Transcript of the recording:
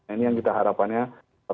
ini yang kita harapannya